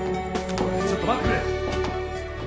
おいちょっと待ってくれ。